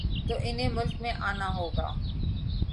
تو انہیں ملک میں آنا ہو گا۔